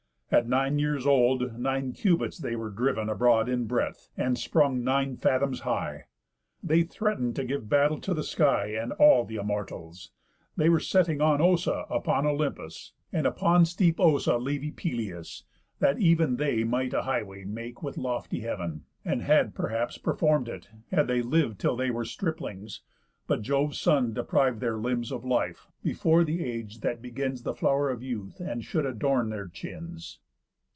At nine years old nine cubits they were driv'n Abroad in breadth, and sprung nine fathoms high. They threaten'd to give battle to the sky, And all th' Immortals. They were setting on Ossa upon Olympus, and upon Steep Ossa leavy Pelius, that ev'n They might a highway make with lofty heav'n; And had perhaps perform'd it, had they liv'd Till they were striplings; but Jove's son depriv'd Their limbs of life, before th' age that begins The flow'r of youth, and should adorn their chins.